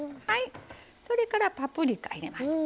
それからパプリカ入れます。